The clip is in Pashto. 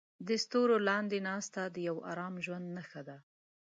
د ستورو لاندې ناسته د یو ارام ژوند نښه ده.